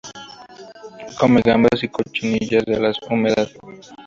Come gambas y cochinillas de la humedad.